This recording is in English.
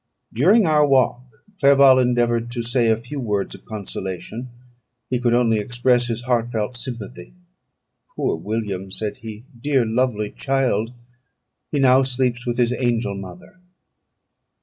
During our walk, Clerval endeavoured to say a few words of consolation; he could only express his heart felt sympathy. "Poor William!" said he, "dear lovely child, he now sleeps with his angel mother!